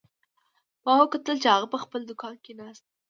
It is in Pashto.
ما وکتل چې هغه په خپل دوکان کې ناست ده